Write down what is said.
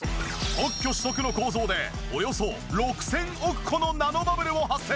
特許取得の構造でおよそ６０００億個のナノバブルを発生！